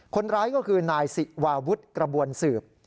คนร้ายก็คือนายสิวาวุฒิกระบวนสืบ